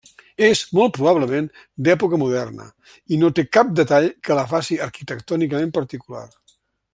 És, molt probablement, d'època moderna, i no té cap detall que la faci arquitectònicament particular.